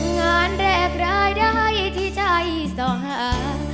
งานแรกรายได้ที่ใจสอหา